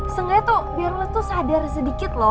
seenggaknya tuh biar lo tuh sadar sedikit lo